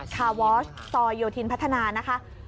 ชาวออสซอยโยธินพัฒนานะคะ